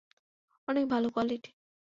অনেক ভালো কোয়ালিটি।